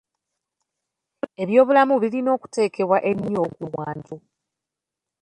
Ebyobulamu birina okuteeebwa ennyo ku kumwanjo.